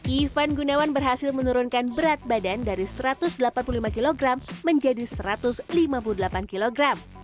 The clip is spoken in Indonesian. ivan gunawan berhasil menurunkan berat badan dari satu ratus delapan puluh lima kg menjadi satu ratus lima puluh delapan kg